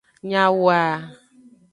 Nyawoa.